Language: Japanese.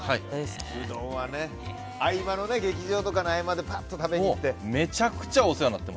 うどんは劇場とかの合間でパッと食べに行って。